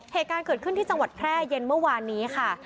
เหตุการณ์เกิดขึ้นที่จังหวัดแพร่เย็นเมื่อวานนี้ค่ะ